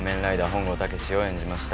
本郷猛を演じました。